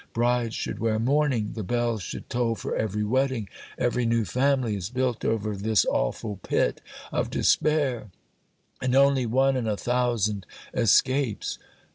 Brides should wear mourning, the bells should toll for every wedding; every new family is built over this awful pit of despair, and only one in a thousand escapes!